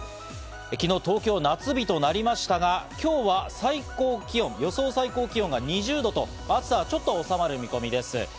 昨日、東京夏日となりましたが、今日は最高気温、予想最高気温が２０度と暑さはちょっと収まる見込みです。